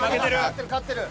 勝ってる勝ってる。